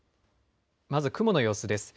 まず雲の様子です。